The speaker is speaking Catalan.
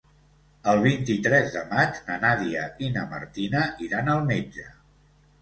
El vint-i-tres de maig na Nàdia i na Martina iran al metge.